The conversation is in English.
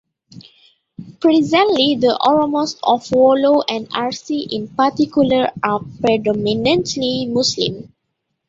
Presently, the Oromos of Wollo and Arsi in particular are predominantly Muslim.